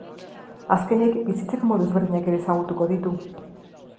Azkenik, bizitzeko modu ezberdinak ere ezagutuko ditu.